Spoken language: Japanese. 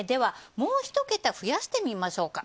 もう１桁増やしてみましょうか。